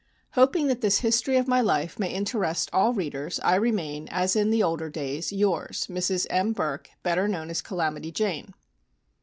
Hoping that this history of my life may interest all readers, I remain, as in the older days, "Yours, "Mrs. M. Burk, "Better known as 'Calamity Jane.'"